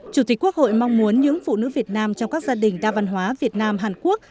chủ tịch quốc hội mong muốn những phụ nữ việt nam trong các gia đình đa văn hóa việt nam hàn quốc